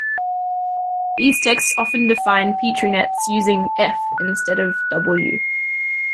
These texts often define Petri nets using "F" instead of "W".